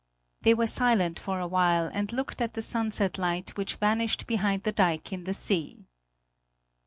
They were silent for a while and looked at the sunset light which vanished behind the dike in the sea.